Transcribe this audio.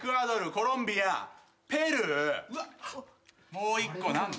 もう１個何だ？